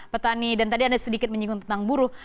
petani dan tadi anda sedikit menyinggung tentang buruh